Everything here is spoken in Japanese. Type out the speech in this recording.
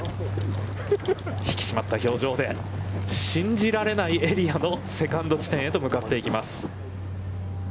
引き締まった表情で信じられないエリアのセカンド地点へと向かっていきます。